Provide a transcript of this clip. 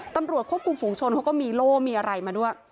ตำรวจควบคุมฝูงชนเขาก็มีโล่มีอะไรมาด้วย